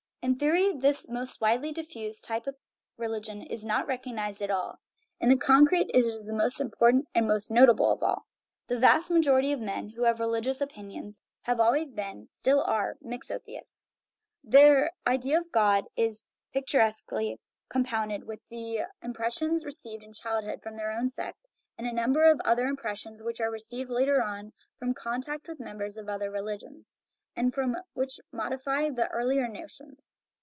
In theory this most widely diffused type of religion is not recognized at all; in the concrete it is the most important and most notable of all. The vast majority of men who have religious opinions have al ways been, and still are, mixotheists; their idea of God is picturesquely compounded from the impressions re ceived in childhood from their own sect, and a number of other impressions which are received later on, from contact with members of other religions, and which modify the earlier notions.